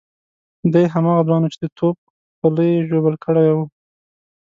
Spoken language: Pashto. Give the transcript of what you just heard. دی هماغه ځوان وو چې د توپ خولۍ ژوبل کړی وو.